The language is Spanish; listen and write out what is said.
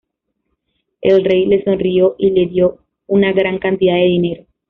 El rey le sonrió y le dio una gran cantidad de dinero.